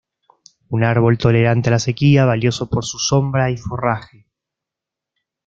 Un árbol tolerante a la sequía, valioso por su sombra y forraje.